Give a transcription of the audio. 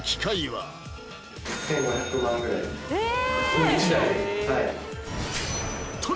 はい